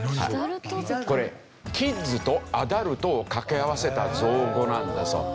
これキッズとアダルトをかけ合わせた造語なんだそう。